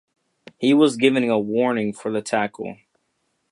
He was given a warning for the tackle.